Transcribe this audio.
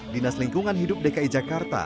dinas lingkungan hidup dki jakarta